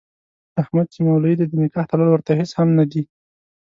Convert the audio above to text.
احمد چې مولوي دی د نکاح تړل ورته هېڅ هم نه دي.